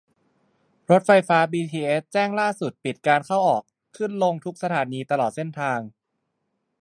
รถไฟฟ้าบีทีเอส แจ้งล่าสุดปิดการเข้า-ออก ขึ้นลงทุกสถานีตลอดเส้นทาง